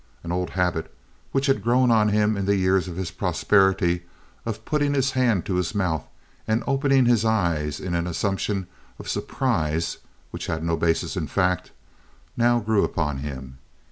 An old habit which had grown on him in the years of his prosperity of putting his hand to his mouth and of opening his eyes in an assumption of surprise, which had no basis in fact, now grew upon him.